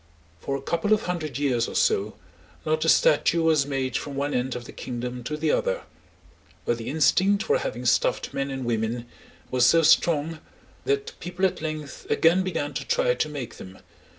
For a couple of hundred years or so, not a statue was made from one end of the kingdom to the other, but the instinct for having stuffed men and women was so strong, that people at length again began to try to make them.